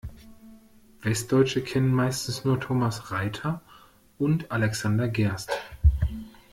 Westdeutsche kennen meistens nur Thomas Reiter und Alexander Gerst.